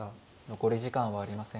残り時間はありません。